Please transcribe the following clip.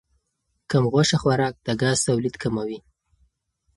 کم غوښه خوراک د ګاز تولید کموي.